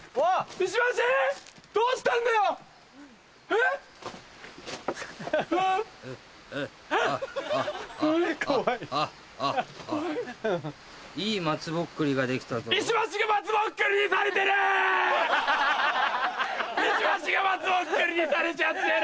石橋が松ぼっくりにされちゃってる！